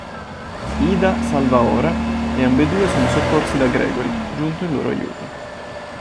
Ida salva Ora e ambedue sono soccorse da Gregory, giunto in loro aiuto.